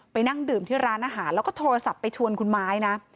นั่งดื่มที่ร้านอาหารแล้วก็โทรศัพท์ไปชวนคุณไม้นะ